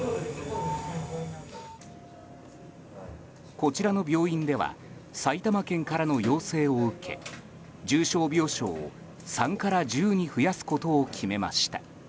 こちらの病院では埼玉県からの要請を受け重症病床を３から１０に増やすことを決めました。